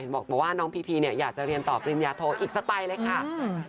เห็นบอกว่าน้องพี่อยากจะเรียนต่อปริญญาโทอีกสักไปเลยค่ะ